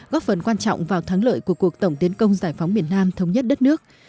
góp phần quan trọng vào thắng lợi của cuộc tổng tiến công giải phóng miền nam thống nhất đất nước